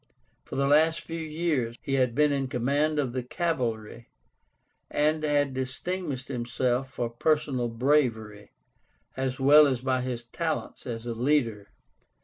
For the last few years he had been in command of the cavalry, and had distinguished himself for personal bravery, as well as by his talents as a leader.